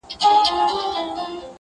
پر سر یې راوړل کشمیري د خیال شالونه-